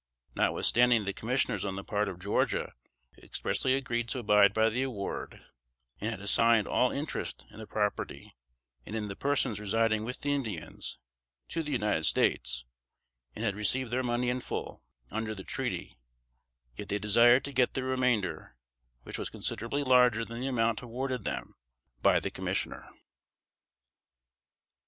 Notwithstanding the commissioners on the part of Georgia expressly agreed to abide by the award, and had assigned all interest in the property and in the persons residing with the Indians, to the United States, and had received their money in full, under the treaty; yet they desired to get the remainder, which was considerably larger than the amount awarded them by the commissioner.